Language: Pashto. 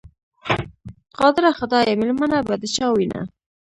قادره خدایه، مېلمنه به د چا وینه؟